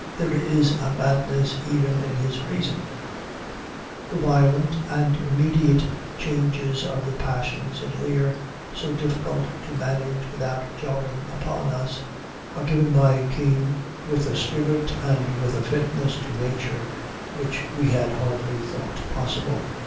There is a madness even in his reason. The violent and immediate changes of the passions in Lear, so difficult to manage without jarring upon us, are given by Kean with a spirit and with a fitness to nature which we had hardly thought possible.